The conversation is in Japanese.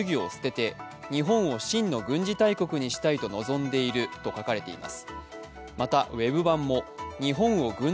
また、ウェブ版も日本を軍事大国にしたいと望んでいると書かれています。